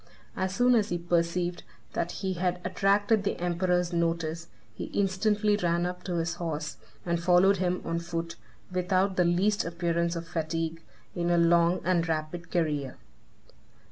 As soon as he perceived that he had attracted the emperor's notice, he instantly ran up to his horse, and followed him on foot, without the least appearance of fatigue, in a long and rapid career.